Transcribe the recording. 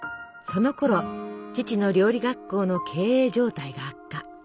そのころ父の料理学校の経営状態が悪化。